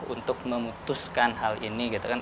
untuk memutuskan hal ini gitu kan